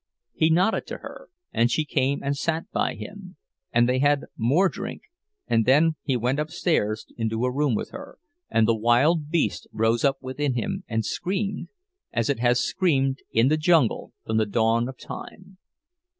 He nodded to her, and she came and sat by him, and they had more drink, and then he went upstairs into a room with her, and the wild beast rose up within him and screamed, as it has screamed in the Jungle from the dawn of time.